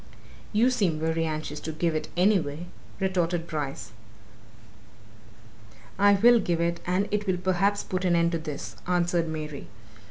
"You seem very anxious to give it, anyway," retorted Bryce. "I will give it, and it will perhaps put an end to this," answered Mary.